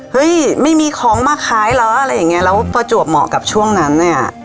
เฮ้ยไม่มีของมาขายเหรออะไรอย่างเงี้ยแล้วประจวบเหมาะกับช่วงนั้นเนี่ย